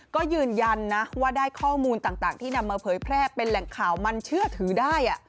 ก็ยืนยันนะว่าได้ข้อมูลต่างที่นำมาเผยแพร่เป็นแหล่งข่าวมันเชื่อถือได้